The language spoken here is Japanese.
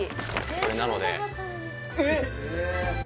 これなのでえっ！